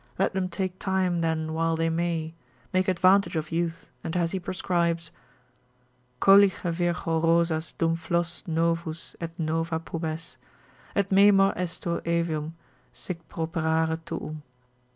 Let them take time then while they may, make advantage of youth, and as he prescribes, Collige virgo rosas dum flos novus et nova pubes, Et memor esto aevum sic properare tuum.